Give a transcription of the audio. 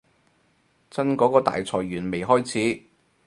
真嗰個大裁員未開始